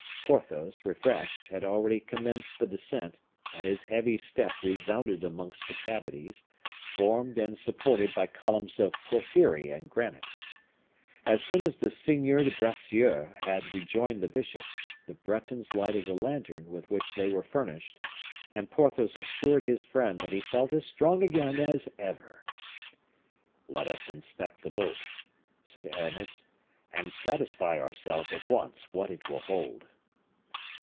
Porthos, refreshed, had already commenced the descent, and his heavy step resounded amongst the cavities, formed and supported by columns of porphyry and granite. As soon as the Seigneur de Bracieux had rejoined the bishop, the Bretons lighted a lantern with which they were furnished, and Porthos assured his friend that he felt as strong again as ever. "Let us inspect the boat," said Aramis, "and satisfy ourselves at once what it will hold."